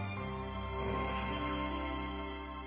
うん。